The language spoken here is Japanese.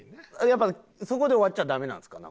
やっぱそこで終わっちゃダメなんですか？